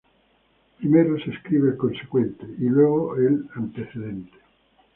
Primero se escribe el consecuente y luego el antecedente.